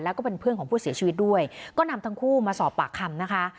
แล้วก็เป็นเพื่อนของผู้เสียชีวิตด้วยก็นำทั้งคู่มาสอบปากคำนะคะ